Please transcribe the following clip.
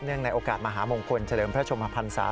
ในโอกาสมหามงคลเฉลิมพระชมพันศา